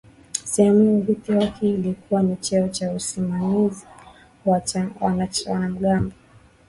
Sehemu ya urithi wake ilikuwa ni cheo cha usimamizi wa wanamgambo